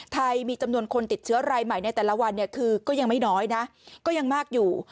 มีจำนวนคนติดเชื้อรายใหม่ในแต่ละวันเนี่ยคือก็ยังไม่น้อยนะก็ยังมากอยู่